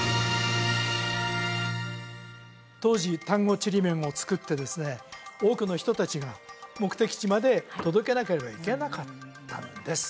当時丹後ちりめんをつくってですね多くの人達が目的地まで届けなければいけなかったんです